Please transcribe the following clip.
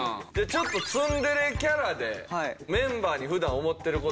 ちょっとツンデレキャラでメンバーに普段思ってる事を言うてもらおうかな。